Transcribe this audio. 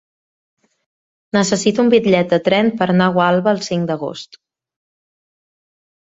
Necessito un bitllet de tren per anar a Gualba el cinc d'agost.